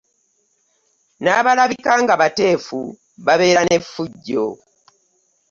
N'abalabika ng'abateefu babeera n'efujjo .